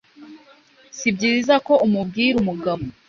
Si byiza ko umubwira umugabo